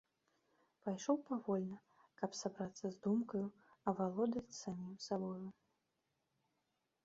Пайшоў павольна, каб сабрацца з думкаю, авалодаць самім сабою.